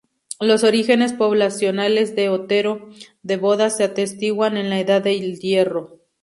Los orígenes poblacionales de Otero de Bodas se atestiguan en la Edad del Hierro.